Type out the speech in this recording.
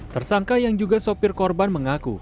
tersangka yang juga sopir korban mengaku